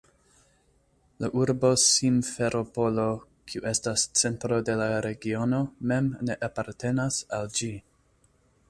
La urbo Simferopolo, kiu estas centro de la regiono, mem ne apartenas al ĝi.